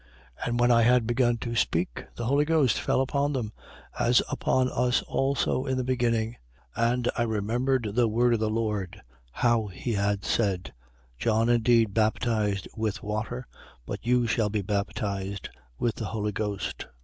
11:15. And when I had begun to speak, the Holy Ghost fell upon them, as upon us also in the beginning. 11:16. And I remembered the word of the Lord, how that he said: John indeed baptized with water but you shall be baptized with the Holy Ghost.